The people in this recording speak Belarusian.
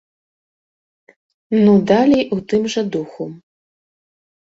Ну далей у тым жа духу.